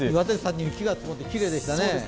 雪が積もってきれいでしたね。